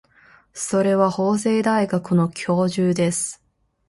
それは法政大学の教授です。